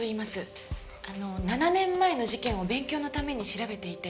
あの７年前の事件を勉強のために調べていて。